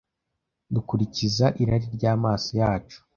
dukurikiza irari ry’amaso yacu,